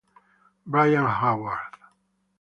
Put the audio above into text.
Brian Howard